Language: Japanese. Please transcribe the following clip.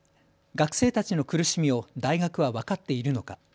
学生たちの苦しみを大学は分かっているのか。